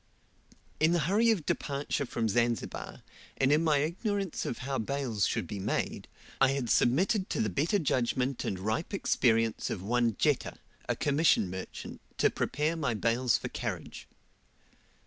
In the hurry of departure from Zanzibar, and in my ignorance of how bales should be made, I had submitted to the better judgment and ripe experience of one Jetta, a commission merchant, to prepare my bales for carriage.